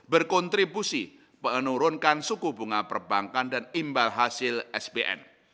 berkontribusi menurunkan suku bunga perbankan dan imbal hasil sbn